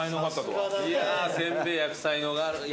いやせんべい焼く才能がある。